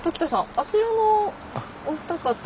あちらのお二方は？